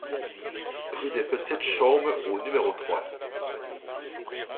Rue des Petites Chaumes au numéro trois